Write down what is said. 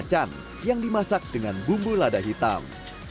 kerang macan yang dimasak dengan bumbu lada hitam